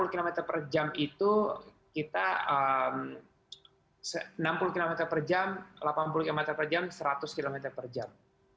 sepuluh km per jam itu kita enam puluh km per jam delapan puluh km per jam seratus km per jam